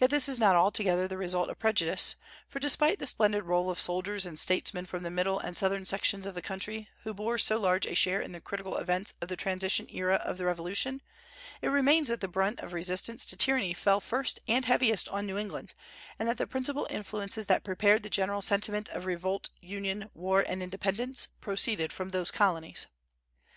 Yet this is not altogether the result of prejudice; for, despite the splendid roll of soldiers and statesmen from the Middle and Southern sections of the country who bore so large a share in the critical events of the transition era of the Revolution, it remains that the brunt of resistance to tyranny fell first and heaviest on New England, and that the principal influences that prepared the general sentiment of revolt, union, war, and independence proceeded from those colonies.